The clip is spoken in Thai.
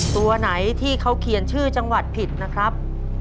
ตัวไหนที่เขาเขียนชื่อจังหวัดผิดนะครับ